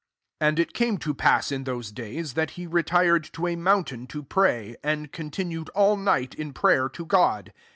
12 And it came to pass, in those days, t/tat he retired to a mountain to pray ; and continu ed all night in prayer to God.